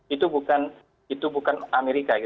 itu bukan amerika